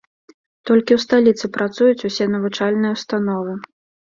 Толькі ў сталіцы працуюць усе навучальныя ўстановы.